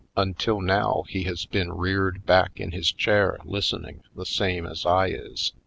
Until now he has been reared back in his chair listening, the same as I is.